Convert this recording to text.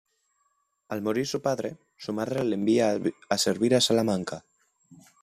Al morir su padre, su madre le envía a servir a Salamanca.